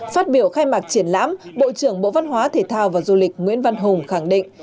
phát biểu khai mạc triển lãm bộ trưởng bộ văn hóa thể thao và du lịch nguyễn văn hùng khẳng định